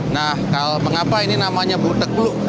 nah mengapa ini namanya buteklo